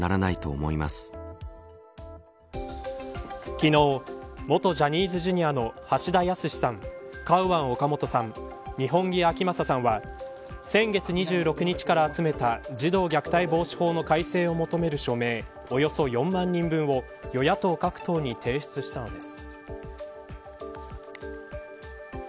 昨日、元ジャニーズジュニアの橋田康さんカウアン・オカモトさん二本樹顕理さんは先月２６日から集めた児童虐待防止法の改正を求める署名およそ４万人分を与野党各党に提出したのです。